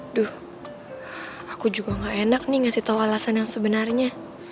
aduh aku juga gak enak nih ngasih tahu alasan yang sebenarnya